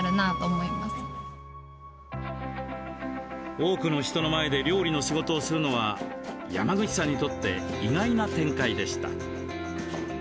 多くの人の前で料理の仕事をするのは山口さんにとって意外な展開でした。